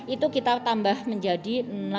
itu kita tambah menjadi enam puluh dua